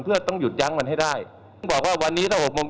เพราะถือว่าคุณไม่มีความรับผิดชอบต่อสังคม